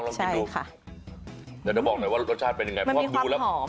เดี๋ยวจะบอกหน่อยว่ารสชาติเป็นยังไง